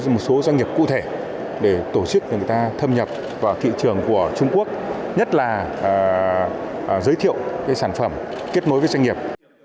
một số doanh nghiệp cụ thể để tổ chức người ta thâm nhập vào thị trường của trung quốc nhất là giới thiệu sản phẩm kết nối với doanh nghiệp